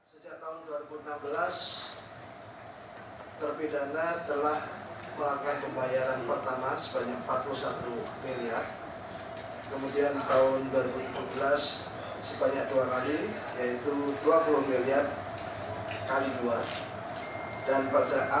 sejak tahun dua ribu enam belas terpindahnya telah melakukan pembayaran pertama sebanyak empat puluh satu miliar